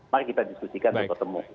mari kita diskusikan dan ketemu